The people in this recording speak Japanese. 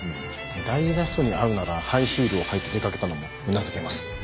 大事な人に会うならハイヒールを履いて出かけたのもうなずけます。